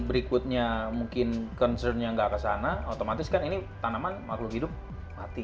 berikutnya mungkin concernnya nggak kesana otomatis kan ini tanaman makhluk hidup mati